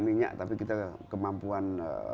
minyak tapi kita kemampuan